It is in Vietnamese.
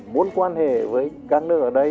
muốn quan hệ với các nước ở đây